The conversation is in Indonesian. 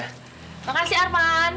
terima kasih arman